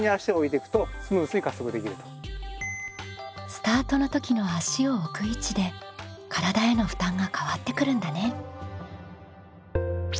スタートの時の足を置く位置で体への負担が変わってくるんだね。